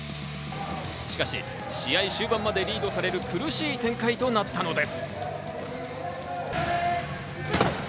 しかし試合終盤までリードされる苦しい展開となったのです。